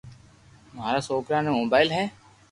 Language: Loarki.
مارا سوڪرا ني موبائل ھي